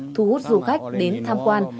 thu hút du khách đến tham quan